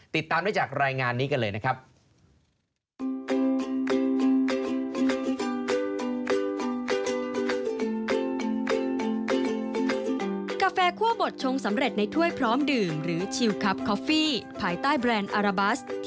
ติดตามได้จากรายงานนี้กันเลยนะครับ